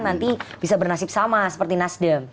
nanti bisa bernasib sama seperti nasdem